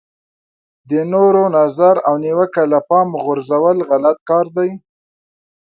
د نورو نظر او نیوکه له پامه غورځول غلط کار دی.